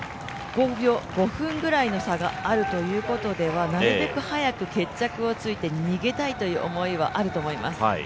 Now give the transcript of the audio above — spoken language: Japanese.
５分ぐらいの差があるということではなるべく早く決着をつけて逃げたいという思いはあると思います。